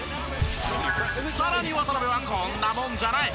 さらに渡邊はこんなもんじゃない！